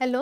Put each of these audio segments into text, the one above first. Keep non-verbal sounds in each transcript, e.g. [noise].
Hello.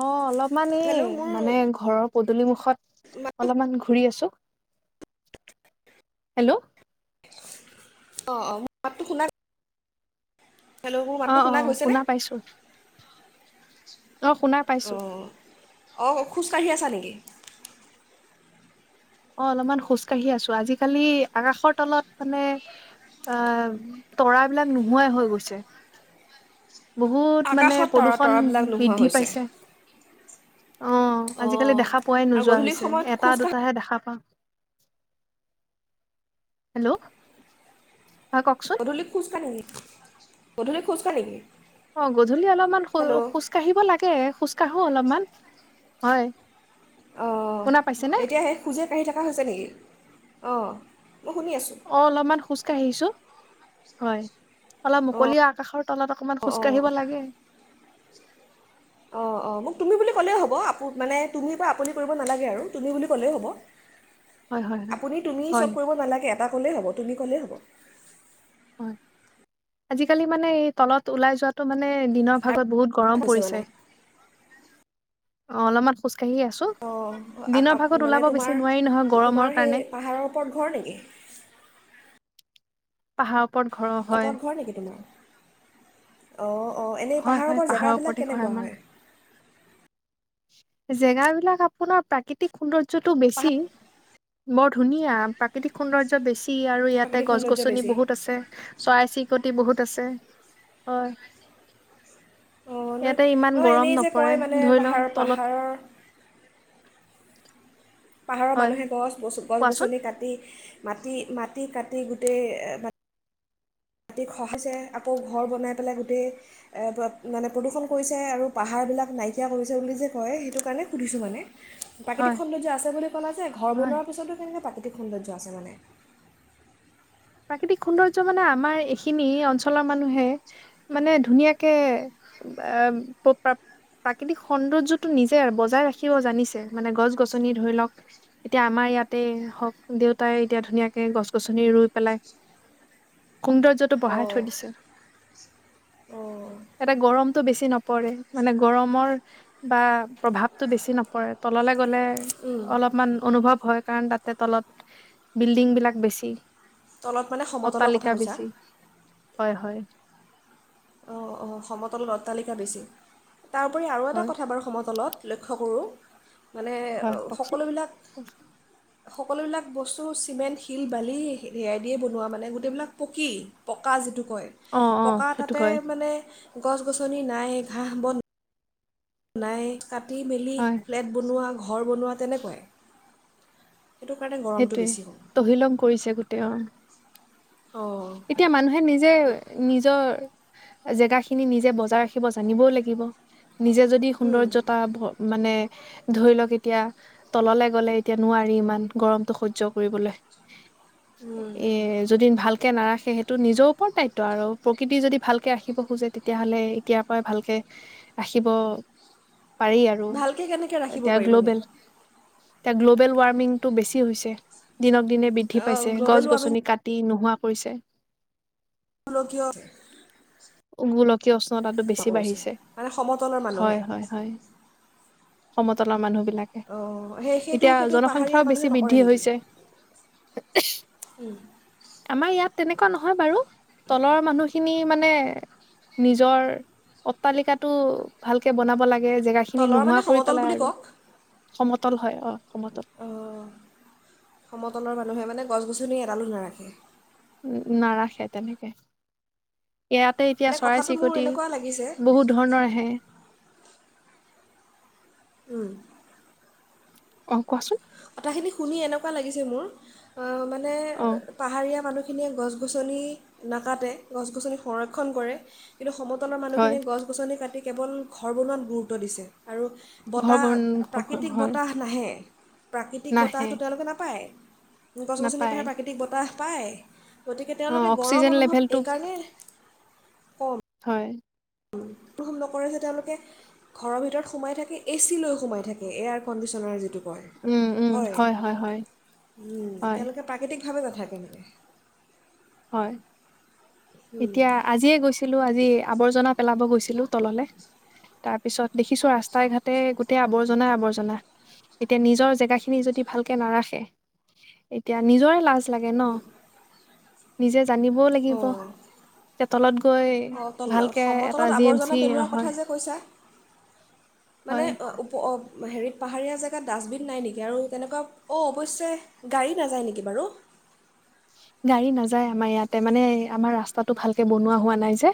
অ', অলপ মানে হেল্ল' মোৰ মানে ঘৰত মাত পদূলিমুখত অলপমান ঘূৰি আছো হেল্ল'। অ', অ', মোৰ মাতটো শুনা হেল্ল' মোৰ মাতটো অ', অ', গৈছেনে শুনা পাইছো, অ', শুনা পাইছো। অ', খোজ কাঢ়ি আছা নিকি? অ', অলপমান খোজ কাঢ়ি আছো আজিকালি আকাশৰ তলত মানে আহ তৰা বিলাক নোহোৱাই হৈ গৈছে। বহুত মানে আকাশত তৰা প্ৰদূষণ তৰাবিলাক নোহোৱা বৃদ্ধি হৈছে পাইছে অ', অঁ আজিকালি দেখা পোৱাই আৰু নোযোৱা গধূলি হৈছে সময়ত এটা খোজকাঢ়া দুটাহে দেখা পাওঁ। হেল্ল'। হয় কওকচোন গধূলি খোজ কাঢ়ি আহি গধূলি খোজকাঢ়ি নেকি? অ', গধূলি অলপমান হেল্ল' খোজ কাঢ়িব লাগে, খোজকাঢ়ো অলপমান। হয়। অ', শুনা পাইছেনে এতিয়া সেই খোজে কাঢ়ি থকা হৈছে নেকি? অ'। অ', অলপমান খোজ কঢ়িছো। হয়, অলপ মুকলি আকাশৰ তলত অকমান অঁ খোজ অঁ অঁ কাঢ়িব লাগে। অ, অ, মোক তুমি বুলি ক'লেই হ'ব। আপো মানে তুমি পৰা আপুনি কৰিব নালাগে আৰু, তুমি বুলি ক'লেই হ'ব। হয় হয় হয় আপুনি, তুমি চব হয় কৰিব নালাগে, এটা ক'লেই হ'ব, তুমি ক'লেই হ'ব। হয়, আজিকালি মানে এই তলত ওলাই যোৱাটো মানে দিনৰ ভাগত আৰু বহুত গৰম হৈছে পৰিছে। মানে অ', অলপমান খোজ অ', আপ-আপ, মানে বেছি তোমাৰ, নোৱাৰি নহয় গৰমৰ তোমাৰ কাৰণে সেই পাহাৰৰ ওপৰত ঘৰ নেকি? পাহাৰপ [unintelligible] ঘৰ নেকি তোমাৰ? অ' অ, এনেই হয় পাহাৰৰ হয় পা জেগাবিলাক ওপৰতে কেনেকুৱা হয়? জেগা বিলাক আপোনাৰ প্ৰাকৃতিক সৌন্দৰ্যটো বেছি, পাহাৰ বৰ ধুনীয়া প্ৰাকৃতিক সৌন্দৰ্য বেছ ই, আৰু ইয়াতে প্ৰাকৃতিক সৌন্দৰ্য গছ-গছনি বেছি বহুত আছে, চৰাই চি অতি বহুত আছে। হয়। অঁ ন ইয়াতে ইমান নহয় গৰম এনেই যে নপৰে, কয় মানে ধৰি পাহাৰ লওঁ পাহাৰৰ পাহাৰৰ হয় মানুহে গছ, কোৱাচোন গছ-গছনি কাটি মাটি, মাটি কাটি গোটেই গোটেই খহাইছে আকৌ, ঘৰ বনাই পেলাই গোটেই মানে প্ৰদূষণ কৰিছে আৰু পাহাৰবিলাক নাইকিয়া কৰিছে বুলি যে কয় সেইটো কাৰণে সুধিছোঁ মানে। হয় প্ৰাকৃতিক সৌন্দৰ্য আছে বুলি ক'লা যে ঘৰ হয়, বনোৱাৰ পিছতো কেনেকে প্ৰাকৃতি [unintelligible] সৌন্দৰ্য আছে মানে? প্ৰাকৃতিক সৌন্দৰ্য্য মানে আমাৰ এইখিনি অঞ্চলৰ মানুহে, মানে ধুনীয়াকে প্ৰাকৃতিক সৌন্দৰ্যটো নিজে বজাই ৰাখিব জানিছে। মানে গছ-গছনি ধৰি লওক এতিয়া আমাৰ ইয়াতে হওক দেউতাই এতিয়া ধুনীয়াকে গছ-গছনি ৰুই পেলাই। সৌন্দৰ্যটো বঢ়াই অঁ থৈ দিচে। অঁ ইয়াতে গৰমতটো বেছি নপৰে। মানে গৰমৰ বা প্ৰভাৱটো বেছি নপৰে। তললে গলে উম অলপমান অনুভৱ হয় কাৰণ তাতে তলত বিল্ডিং বিলাক বেছি। তলত মানে সমতলৰ অট্টালিকা কথা কৈছা বেছি হয় হয়। অ অ সমতলত অট্টালিকা বেছি। তাৰ উপৰি আৰু এটা হয় কথা বাৰু সমতলত। লক্ষ্য কৰো। মানে হয় কওকচোন সকলোবিলাক অ সকলোবিলাক বস্তু চিমেণ্ট শিল বালি সেইয়াই দিয়ে বনোৱা মানে গোটেইবিলাক পকী পকা যিটোক কই অ পকা তাত সেইটো তে, হয় মানে গছ-গছনি নাই ঘাঁহ-বন নাই। কাটি-মেলি হয় ফ্লেট বনোৱা, ঘৰ বনোৱা তেনেকুৱাই সেইটো কাৰণে গৰমটো সেইটোৱে বেছি হ'ল তহিলং কৰিছে গোটেই আৰু অঁ এতিয়া মানুহে, নিজে নিজৰ জেগাখিনি নিজে বজাই ৰাখিব জানিবও লাগিব। নিজে যদি উম, সৌন্দৰ্য্যতা ভ মানে ধৰি লওক এতিয়া তললে গ'লে এতিয়া নোৱাৰি ইমান গৰম। সহ্য কৰিবলৈ। উম। এ, যদি ভাল এতিয়া নাৰাখে সেইটো নিজৰ ওপৰত দায়িত্ব আৰু প্ৰকৃতি যদি ভালকে ৰাখিব খোজে তেতিয়াাহ'লে এতিয়াৰ পৰাই ভালকে ৰাখিব পাৰি আৰু, ভালকৈ কেনেকৈ ৰাখিব এতিয়া পাৰি মানে গ্ল'বেল এতিয়া গ্ল'বেল ৱাৰ্মিংটো বেছি হৈছে। [unintelligible] দিনক দিনে বৃদ্ধি পাইছে। গ্ল'বেল ৱাৰ্মিং গছ-গছনি কাত টি নোহোৱা কৰিছে। লোকীয় গোলকীয় উষ্ণতাটো বেছি বাঢ়িছে মানুহে হয়, হয়, হয়। সমতলৰ মানুহ বি লাকে। অঁ সেই সেইটো এতিয়া সেইটো পাহাৰীয়া জনসংখ্যাও বেছি মানুহে বৃদ্ধি নকৰে বৃদ্ধি নেকি হৈছে, আমাৰ ইয়াত তেনেকুৱা নহয় বাৰু। তলৰ মানুহখিনি মানে এ, নিজৰ অট্টালিকটো ভালকে বনাব লাগে। এ, জেগা খিনি তলৰ মানে নোহোৱি কৰি সমতল পেলাই বুলি আৰু কওক সমত তল হয় অ'। সমতল। অঁ সমতলৰ মানুহে মানে গছ-গছনি এডালো নাৰাখে। উ, নাৰাখে তেনেকে। এয়াতে এতিয়া মানে কথাটো মোৰ চৰাই-চিৰিকটি এনেকুৱা লাগিছে বহুত ধৰণৰ আহে। উম। অ', কোৱাচোন। কথাখিনি শুনি এনেকুৱা লাগিছে মোৰ অ', মানে অ পাহাৰীয়া মানুহ খিনিয়ে গছ-গছনি নাকাটে, গছ-গছনি সংৰক্ষণ কৰে। কিন্তু সমতলৰ হয় মানুহখিনে গছ-গছনি কাটি কেৱল ঘৰ বনোৱাত গুৰুত্ব দিছে। আৰু ঘৰ বতাহ বন ঘৰ বন প্ৰাকৃতিক হয় বতাহ নাহে। প্ৰাকৃতিক নাহে বতাহটো তেওঁলোকে নাপায়। গছ-গছনিৰ নাপায় পৰা প্ৰাকৃতিক বতাহ পায়। গতিকে অ তেওঁলোকে গৌৰৱ অক্সিজেন অনুভৱ লেভেলটো এইকাৰণে কম হয়। নকৰে যে তেওঁলোকে ঘৰৰ ভিতৰত সোমাই থাকে এ চি লৈ সোমাই থাকে এয়াৰ কণ্ডিচনাৰ উম উম যিটো। হয়, হয় উম, হয় তেওঁলোকে প্ৰাকৃতিক ভাবে নাথাকেনেকে হয়। এতিয়া আজিয়ে গৈছিলো আজিয়ে আৱৰ্জনা পেলাব গৈছিলো তললে, তাৰ পিছত দেখিছো ৰাস্তা ঘাটে গোটেই আৱৰ্জনাই আৱৰ্জনা, এতিয়া নিজৰ জেগা খিনি যদি ভালকে নাৰাখে এতিয়া নিজৰে লাজ লাগে ন'। নিজে জানিবও লাগিব। তলত। গৈ অ', তল ভালকে এটা সমতলত জি এম চি আৱৰ্জনা পেলোৱাৰ হয় কথা যে কৈছা। মানে হয় উপ, হেৰিত পাহাৰীয়া জেগাত ডাষ্টবিন নাই নেকি আৰু তেনেকুৱা অ অৱশ্যে গাড়ী নাযায় নেকি বাৰু? গাড়ী নাযায় আমাৰ ইয়াতে মানে, আমাৰ ৰাস্তাটো ভালকে বনোৱা হোৱা নাই যে,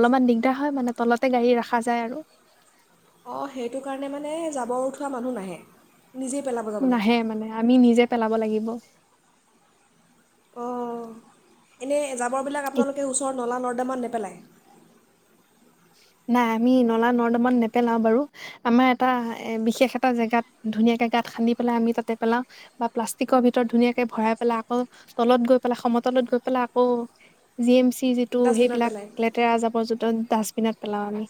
অলপমান দিগদাৰ হয় মানে তলতে গাড়ী ৰাখা যায় আৰু। অহ, সেইটো কাৰণে মানে যাবৰ উঠোৱা মানুহ নাহে। নিজেই পেলাব যাব লাগে নাহে মানে আমি নিজে পেলাব লাগিব। অহ, এনে জাব বৰ বিলাক আপোনালোকে ওচৰৰ নলা নদ দামত নেপেলায়। নাই, আমি নলা-নৰ্দমান নেপেলাওঁ বাৰু। আমাৰ এটা এ বিশেষ এটা জেগাত ধুনীয়াকে গাত সান্দি পেলাই আমি তাতে পেলাওঁ বা প্লাষ্টিকৰ ভিতৰত ধুনীয়াকে ভৰাই পেলাই। আকৌ তলত গৈ পেলাই সমতলত গৈ পেলাই আকৌ জি এম চি সি যিটো ডাষ্টবিনত সেইবিলাক পেলায় লেতেৰা জাবৰ যোতন ডাষ্ট বিনত পেলাওঁ আমি।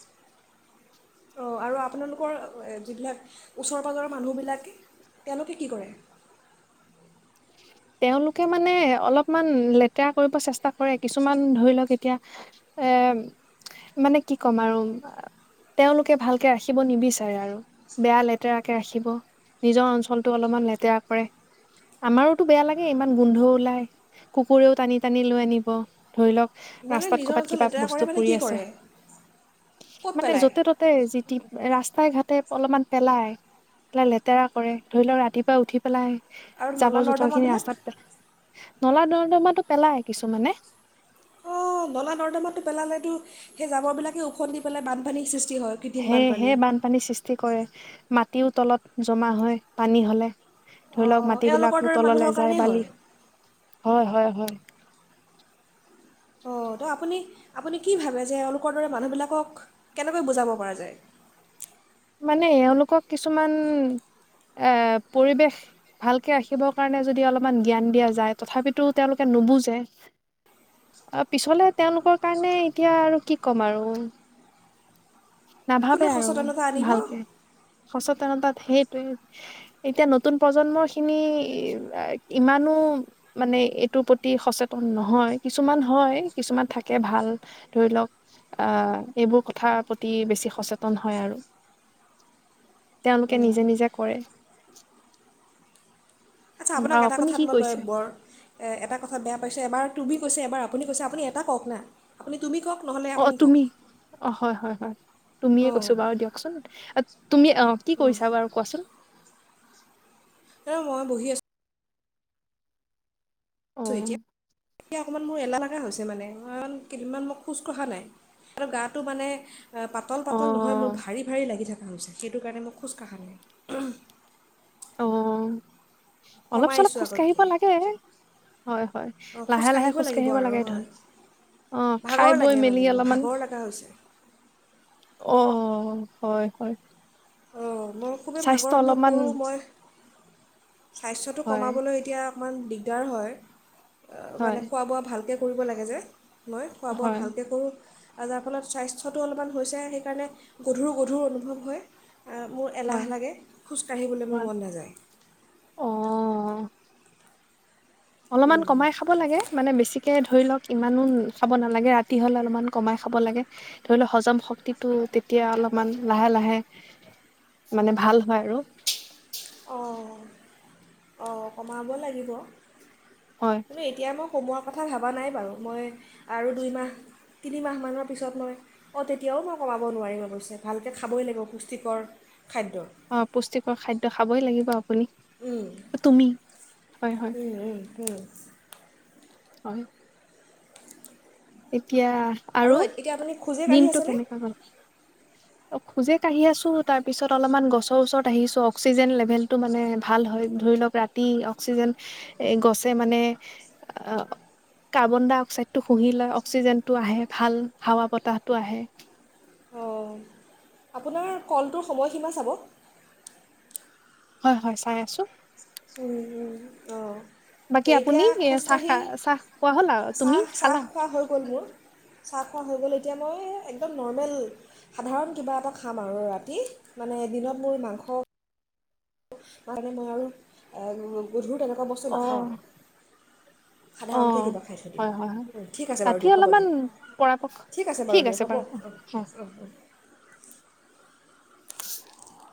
অহ, আৰু আপোনালোকৰ অ', এ যিবিলাক ওচৰ পাজৰৰ মানুহবিলাক, তেওঁলোকে কি কৰে? তেওঁলোকে মানে অলপমান লেতেৰা কৰিব চেষ্টা কৰে। কিছুমান, ধৰি লওঁক এতিয়া এ মানে কি কম আৰু তেওঁলোকে ভালকে ৰাখিব নিবিচাৰে আৰু বেয়া লেতেৰা কে ৰাখিব, নিজৰ অঞ্চলটো অলপমান লেতেৰা কৰে, আমাৰো তু বেয়া লাগে, ইমান গোন্ধও ওলাই, কুকুৰেও টানি টানি লৈ আনিব, ধৰি লওঁক মানে ৰাস্তাত নিজৰ কৰবাত অঞ্চল কিবা লেতেৰা বস্তু কৰে মানে পৰি কি আছে, কৰে ক'ত মানে পেলায় যতে ততে যি তি এ ৰাচ তাই ঘাটে অলপমান পেলাই, পেলাই লেতেৰা কৰে, ধৰি লওঁক ৰাতিপুৱা উঠি পেলাই আৰু জাবৰ জোথৰ নলা-নৰ্দম খিনি ৰাস্তাত পে নলা-নৰ্দমাটো পেলাই কিছুমানে। অহ, নলা-নৰ্দমাতটো পেলালেতো সেই জাবৰ বিলাকে ওখত নি পেলাই বানপানীৰ সৃষ্টি হয় কৃত্ৰিম সেয়হে বানপানী বানপানীৰ সৃষ্টি কৰে, মা তিও তলত জমা হয়, পানী হ'লে। ধৰি লওঁক, অঁ এওঁলোকৰ মাটিবিলাকো দৰে মানুহৰ তললে যায় কাৰণেই বালি হয় হয়-হয়-হয়। অ', তো আপুনি, আপুনি কি ভাবে যে এওঁলোকৰ দৰে মানুহবিলাকক কেনেকৈ বুজাব পৰা যায়? মানে, এওঁলোকক কিছুমান এ পৰিৱেশ ভালকে ৰাখিবৰ কাৰণে যদি অলপমান জ্ঞান দিয়া যায়, তথাপিতো তেওঁলোকে নুবুজে, অ পিছলে তেওঁলোকৰ কাৰণে এতিয়া আৰু কি ক'ম আৰু। নাভাবে কোনে আৰু। সচেতনতা আনিব ভালকে, সচেত তামানে তাত সেইটোৱে। এতিয়া নতুন প্ৰজন্ম খিনি, ইমানো মানে এইটোৰ প্ৰতি সচেতন নহয়, কিছুমান হয়, কিছুমান থাকে ভাল। ধৰি লওক আহ, এইবোৰ কথা প্ৰতি বেছি সচেতন হয় আৰু। তেওঁলোকে নিজে নিজে কৰে। আচ্ছা বা আপোনাক এটা আপুনি কথাত কি মই বৰ কৰিছে বৰ, এ এটা কথাত বেয়া পাইছোঁ, এবাৰ তুমি কৈছে এবাৰ আপুনি কৈছে। আপুনি এটা কওক না, আপুনি তুমি কওক নহ'লে অ, আপুনি কওক তুমি। অ হয়, হয়, হয়। তুমিয়ে অঁ কৈছো বাৰু দিয়কচোন। [inaudible] তুমি, অ' কি কৰিছা বাৰু, কোৱাচোন। এ মই বহি আছোঁ। অ ত' এতিয়া- অকমান মোৰ এলাহ লগা হৈছে মানে, কাৰণ কেইদিনমান মই খোজ কঢ়া নাই আৰু গাটো মানে- পাতল অ পাতল নহয়, মোৰ ভাৰী ভাৰী লাগি থাক সেইটো কাৰণে মই খোজ কাঢ়া নাই। অ'। অলপ চলপ কমাইছোঁ খোজ কাঢ়িব আগতকৈ লাগে হয়, হয় অঁ লাহে লাহে কাঢ়িব খোজ লাগিব কঢ়িব আৰু লাগে ধৰ হয় খাই ভাগৰ বৈ লাগে মানে মেলি মোৰ অলমান ভাগৰ লগা হৈছে অ'। অ', হয়, হয়। অ'। মোৰ খুবেই ভাগৰ স্বাস্থ্য অনুভৱ অলপমান কৰো, মই স্বাস্থ্যটো হয় কমাবলৈ এতিয়া অকণমান দিগদাৰ হয়। অ, হয় মানে খোৱা-বোৱা ভালকে কৰিব লাগে যে মই খোৱা-বোৱা হয় ভালকৈ কৰোঁ। আৰু যাৰ ফলত স্বাস্থ্যটো অলপমান হৈছে সেইকাৰণে গধুৰ গধুৰ অনুভৱ হয়। মোৰ হয় এলাহ লাগে, খোজকাাঢ়িবলৈ মোৰ হয় মন নাযায়। অ অলপমান কমাই খাব লাগে। মানে বেছিকে ধ ধৰি লওক ইমানো খাব নালাগে। ৰাতি হলে অলপমান কমাই খাব লাগে ধৰি লওক হজম শক্তিটো তেতিয়া অলপমান লাহে লাহে মানে ভাল হয় আৰু। অ, অ, অ। কমাব লাগিব। হয় কিন্তু এতিয়া মোক কমোৱাৰ কথা ভবা নাই বাৰু। মই আৰু দুইমাহ তিনিমাহমানৰ পিছত মই অ, তেতিয়াও মই কমাব নোৱাৰিম অৱশ্যে ভালকৈ খাবই লাগিব পুষ্টিকৰ। অ পুষ্টিকৰ খাদ্য খাব। খাবই লাগিব। [unintelligible] তুমি। হয় হয় উম, উম, উম। হয়। [unintelligible] এতিয়া আৰু এতিয়া আপুনি খোজে কাঢ়ি দিনটো আছেনে কেনেকৈ গল? অ খোজে কাঢ়ি আছো। তাৰপিছত অলপমান গছৰ ওচৰত আহিছো অক্সিজেন লেভেল টো মানে ভাল হয়। ধৰি লওক ৰাতি অক্সিজেন এ গছে মানে অ কাৰ্বন ডাই অক্সাইডটো শুহি লয়। অক্সিজেনটো আহে ভাল। হাৱা বতাহটো আহে। অ, আপোনাৰ কলটোৰ সময়সীমা চাব। হয়, হয় চাই আছো। [unintelligible] অ। বাকী আপুনি এ, চাহ, চাহ খোৱা হ'ল আৰু, তুমি চাহ চাহ খালা? খোৱা হৈ গ'ল মোৰ চাহ খোৱা হৈ গ'ল। এতিয়া মই একদম নৰ্মেল সাধাৰণ কিবা এটা খাম আৰু ৰাতি। মানে দিনত মোৰ মাংস কাৰণে মই আৰু এ, গধুৰ তেনে- এনেকুৱা বস্তু অ নাখাওঁ আৰু অ সাধাৰণকৈ কিবা খাই থৈ হয় হয় হয় দিম। ঠিক আছে বাৰু দিয়ক হ'ব দিয়ক। ঠিক আছে বাৰু দিয়ক হ'ব। অ, অ। [unintelligible]